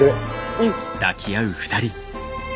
うん！